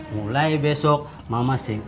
mulai besok mama seng